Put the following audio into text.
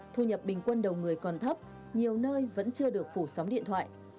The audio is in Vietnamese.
thu nhập bình quân đầu người còn thấp nhiều nơi vẫn chưa được phủ sóng điện thoại